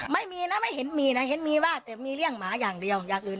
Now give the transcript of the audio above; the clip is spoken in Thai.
ไม่มีนะไม่เห็นมีนะเห็นมีว่าแต่มีเรื่องหมาอย่างเดียวอย่างอื่น